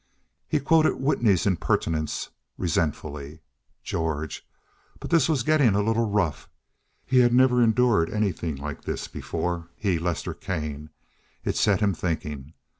He quoted Whitney's impertinences resentfully. George! But this was getting a little rough! He had never endured anything like this before—he, Lester Kane. It set him thinking.